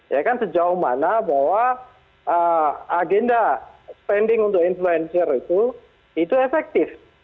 ya kan sejauh mana bahwa agenda spending untuk influencer itu itu efektif